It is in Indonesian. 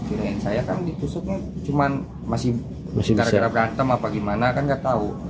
kirain saya kan ditusuknya cuman masih gara gara berantem apa gimana kan gak tau